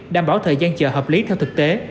đảm bảo thời gian chờ hợp lý theo thực tế